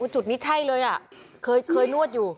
จุดนี้ใช่เลยเคยนวดอยู่